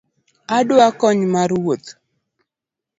Adwa kony mar wuoth.